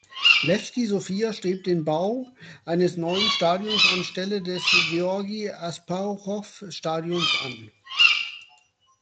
Lewski Sofia strebt den Bau eines neuen Stadions anstelle des Georgi-Asparuchow-Stadions an.